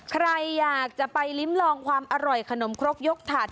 ใครอยากจะไปลิ้มลองความอร่อยขนมครกยกถัด